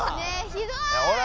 ひどいよ！